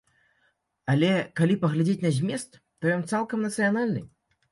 Але калі паглядзець змест, то ён цалкам нацыянальны.